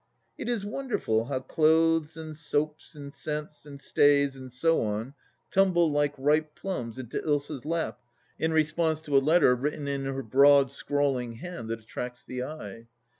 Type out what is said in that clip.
It is wonderful how clothes and soaps and scents and stays and so on tumble like ripe plums into Ilsa's lap in response to a letter written in her broad scrawling hand that attracts the eye.